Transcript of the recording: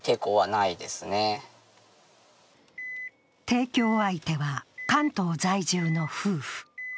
提供相手は関東在住の夫婦。